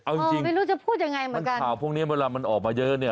เอาจริงไม่รู้จะพูดยังไงเหมือนกันข่าวพวกนี้เวลามันออกมาเยอะเนี่ย